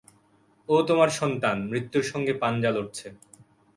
ও তোমার সন্তান, মৃত্যুর সাথে পাঞ্জা লড়ছে।